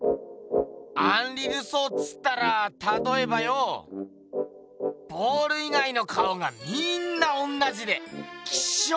アンリ・ルソーつったらたとえばよボール以外の顔がみんな同じでキショ！